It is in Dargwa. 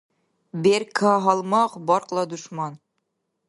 Берка — гьалмагъ, баркьла — душман.